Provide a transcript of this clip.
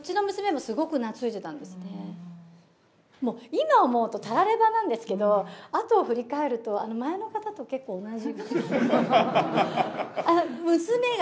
もう、今思うとたらればなんですけど、あとを振り返ると、前の方と結構同じ。